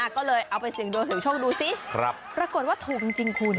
ก็เลยเอาไปเสี่ยงดวงเสียงโชคดูสิปรากฏว่าถูกจริงคุณ